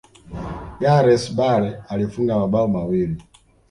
gareth bale alifunga mabao mawili